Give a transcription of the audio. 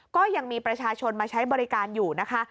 ก็ยังมีประชาชนมาใช้บริการอยู่นะคะ